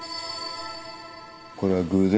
これは偶然？